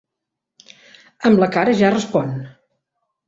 Amb la cara ja respon.